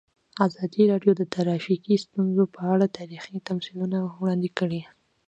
ازادي راډیو د ټرافیکي ستونزې په اړه تاریخي تمثیلونه وړاندې کړي.